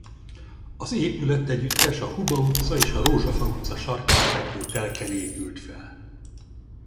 Az épületegyüttes a Huba utca és a Rózsafa utca sarkán fekvő telken épült fel.